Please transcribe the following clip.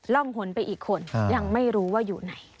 ร่องหนไปอีกคนยังไม่รู้ว่าอยู่ไหน